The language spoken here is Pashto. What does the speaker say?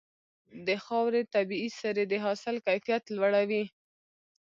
د خاورې طبيعي سرې د حاصل کیفیت لوړوي.